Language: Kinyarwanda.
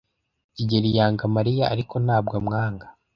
kigeli yanga Mariya, ariko ntabwo amwanga.